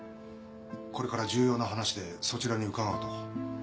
これから重要な話でそちらに伺うと。